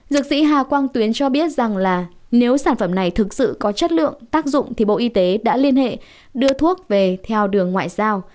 dược sĩ hà quang tuyến cho biết rằng là nếu sản phẩm này thực sự có chất lượng tác dụng thì bộ y tế đã liên hệ đưa thuốc về theo đường ngoại giao